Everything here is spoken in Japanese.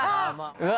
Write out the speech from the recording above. うわ！